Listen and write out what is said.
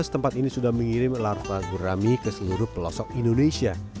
tempat ini sudah mengirim larva gurami ke seluruh pelosok indonesia